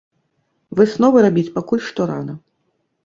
Высновы рабіць пакуль што рана.